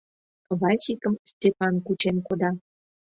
Васикым Степан кучен кода.